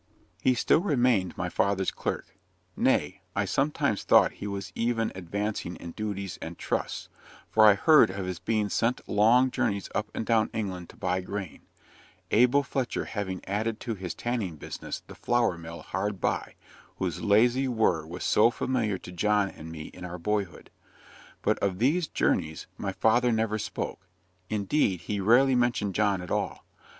He still remained my father's clerk nay, I sometimes thought he was even advancing in duties and trusts, for I heard of his being sent long journeys up and down England to buy grain Abel Fletcher having added to his tanning business the flour mill hard by, whose lazy whirr was so familiar to John and me in our boyhood. But of these journeys my father never spoke; indeed, he rarely mentioned John at all.